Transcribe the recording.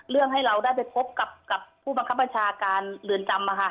เรื่องให้เราได้ไปพบกับกับผู้บังคับบัญชาการเรือนจำอ่ะค่ะ